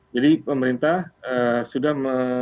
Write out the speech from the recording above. jadi pemerintah sudah